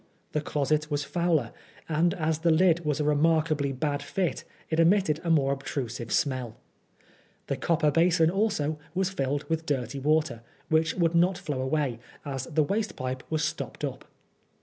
The closet was fouler, and as the lid was a remarkably bad fit, it emitted a more obtrusive smell. The copper basin also was filled with dirty water, which would not flow away, as the waste pipe was stopped up.